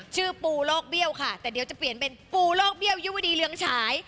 ชื่อปูโลกเบี้ยวค่ะแต่เดี๋ยวจะเปลี่ยนเป็นปูโลกเบี้ยยุวดีเรืองฉาย